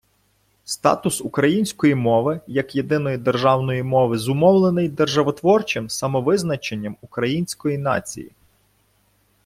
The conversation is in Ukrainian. Статус української мови як єдиної державної мови зумовлений державотворчим самовизначенням української нації.